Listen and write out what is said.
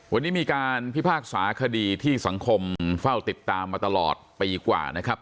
วันนี้มีการพิพากษาคดีที่สังคมเฝ้าติดตามมาตลอดปีกว่านะครับ